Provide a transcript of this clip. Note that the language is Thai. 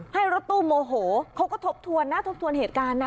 ให้รถตู้โมโหเขาก็ทบทวนนะทบทวนเหตุการณ์นะ